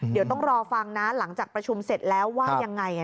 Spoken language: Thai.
เดี๋ยวต้องรอฟังนะหลังจากประชุมเสร็จแล้วว่ายังไง